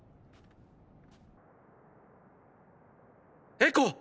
エコ！！